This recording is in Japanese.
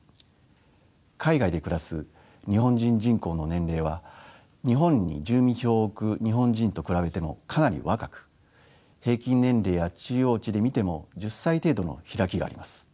海外で暮らす日本人人口の年齢は日本に住民票を置く日本人と比べてもかなり若く平均年齢や中央値で見ても１０歳程度の開きがあります。